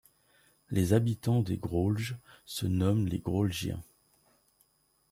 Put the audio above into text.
Les habitants des Graulges se nomment les Graulgiens.